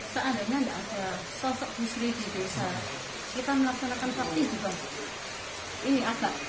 seandainya ada sosok bu sri di desa kita melaksanakan partai juga